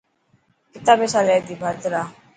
ڪتا پيسا لي تي ڀرت را.